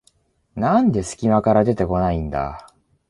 なんですき間から出てこないんだ